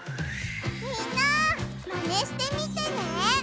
みんなまねしてみてね！